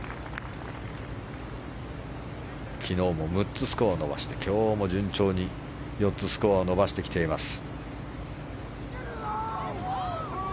昨日も６つスコアを伸ばして今日も順調に４つスコアを伸ばしてきています。